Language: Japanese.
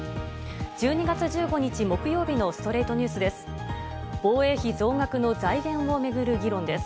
１２月１５日、木曜日の『ストレイトニュース』です。